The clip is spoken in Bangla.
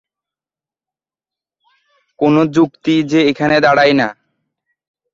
কোন যুক্তিই যে এখানে দাঁড়ায় না।